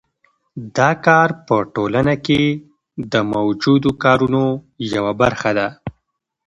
دا کار په ټولنه کې د موجودو کارونو یوه برخه ده